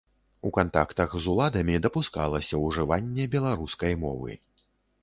У кантактах з уладамі дапускалася ўжыванне беларускай мовы.